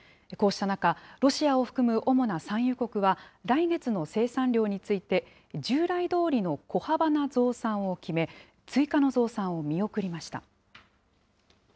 こうした中、ロシアを含む主な産油国は、来月の生産量について、従来どおりの小幅な増産を決め、追加の増産を見送りました。